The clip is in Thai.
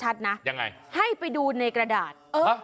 ยังไงให้ไปดูในกระดาษ